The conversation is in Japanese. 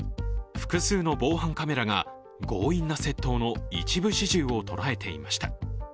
複数の防犯カメラが強引な窃盗の一部始終を捉えていました。